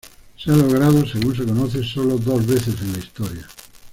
Se ha logrado, según se conoce, solo dos veces en la historia.